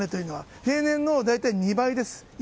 平年の大体２倍です。